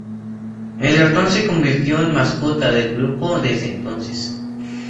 El ratón se convirtió en mascota del grupo desde entonces.